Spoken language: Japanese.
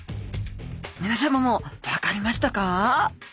みなさまも分かりましたか？